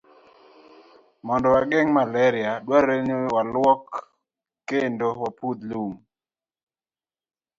Mondo wageng' malaria, dwarore ni walwok kendo wapudh lum.